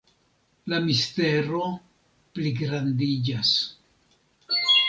La mistero pligrandiĝas.